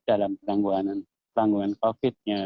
dalam pelangguan covid sembilan belas